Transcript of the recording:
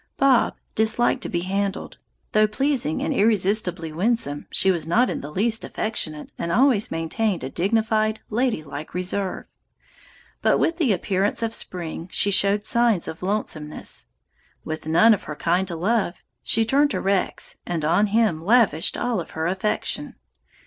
"Bob disliked to be handled; though pleasing and irresistibly winsome, she was not in the least affectionate, and always maintained a dignified, ladylike reserve. But with the appearance of spring she showed signs of lonesomeness. With none of her kind to love, she turned to Rex and on him lavished all of her affection.